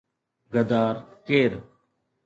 ”غدار ڪير؟